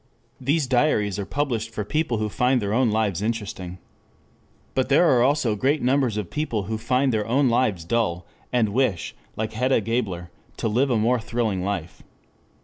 These diaries are published for people who find their own lives interesting. But there are also great numbers of people who find their own lives dull, and wish, like Hedda Gabler, to live a more thrilling life.